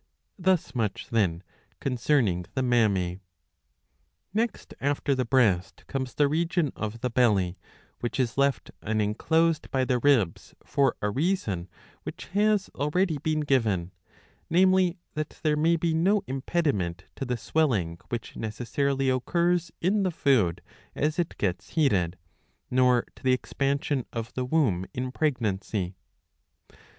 ^ Thus much then concerning the mammae. Next after the breast comes the region of the belly, which is left unenclosed by the ribs for a reason which has already been given ;^^ namely that there may be no impediment to the swelling which necessarily occurs in the food as it gets heated, nor to the expansion of the womb in pregnancy.